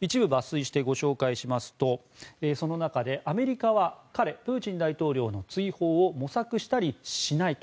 一部抜粋してご紹介しますとその中でアメリカはプーチン大統領の追放を模索したりしない。